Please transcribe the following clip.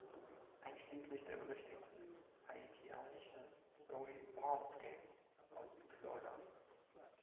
Einschließlich der berüchtigten haitianischen Zoe Pound-Gang aus Südflorida.